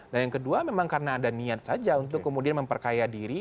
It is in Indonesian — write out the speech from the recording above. dan yang kedua memang karena ada niat saja untuk kemudian memperkaya diri